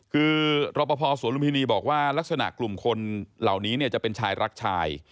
คือรอปภสวนลุมพินีบอกว่าลักษณะกลุ่มคนเหล่านี้เนี่ยจะเป็นชายรักชาย